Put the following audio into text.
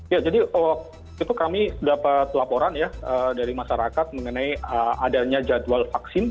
ya jadi waktu itu kami dapat laporan ya dari masyarakat mengenai adanya jadwal vaksin